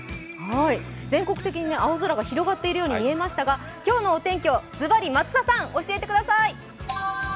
全国的に青空が広がっているように見えましたが今日のお天気をズバリ、増田さん教えてください。